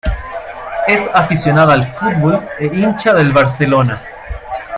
Es aficionada al fútbol, e hincha del Barcelona.